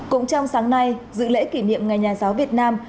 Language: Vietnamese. cũng trong sáng nay dự lễ kỷ niệm ngày nhà giáo việt nam